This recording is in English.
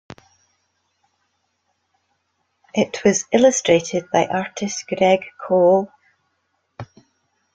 It was illustrated by artist Greg Call.